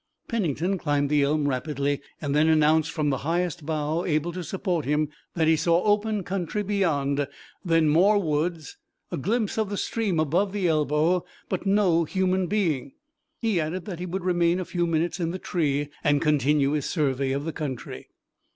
Pennington climbed the elm rapidly and then announced from the highest bough able to support him that he saw open country beyond, then more woods, a glimpse of the stream above the elbow, but no human being. He added that he would remain a few minutes in the tree and continue his survey of the country.